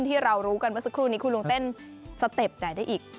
ที่เรารู้กันมาสักครู่นี้คุณลุงแตนแสตบไหนได้อีก